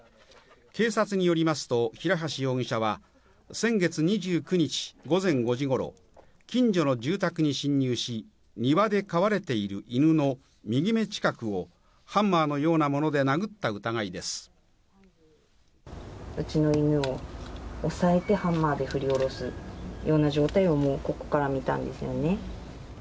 警察によりますと、平橋容疑者は、先月２９日午前５時ごろ、近所の住宅に侵入し、庭で飼われている犬の右目近くをハンマーのようなもので殴った疑うちの犬を押さえて、ハンマーで振り下ろすような状態をここから見たんですよね。